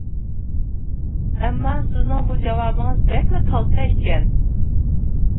ئەمما سىزنىڭ بۇ جاۋابىڭىز بەكلا كالتە ئىكەن.